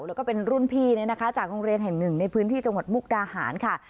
แล้วก็เป็นรุ่นพี่เนี่ยนะคะจากโรงเรียนแห่งหนึ่งในพื้นที่จังหวัดมุกดาหารค่ะ